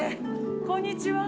こんにちは。